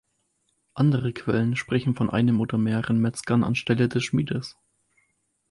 Andere Quellen sprechen von einem oder mehreren Metzgern anstelle des Schmiedes.